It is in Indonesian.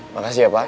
makasih ya pak